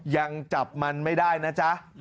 ยังจับมันไม่ได้นะจ๊ะ